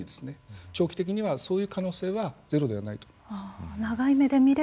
長期的にはそういう可能性はゼロではないと思います。